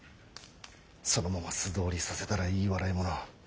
そのまま素通りさせたらいい笑い者。